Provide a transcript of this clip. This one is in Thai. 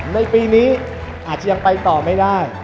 ในปีนี้อาจจะยังไปต่อไม่ได้